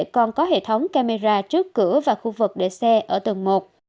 còn có hệ thống camera trước cửa và khu vực để xe ở tầng một